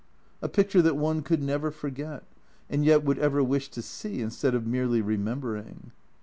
A picture that one could never forget and yet would ever wish to see instead of merely remembering.